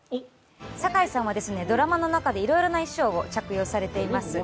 堺さんはドラマの中でいろいろな衣装を着用されています。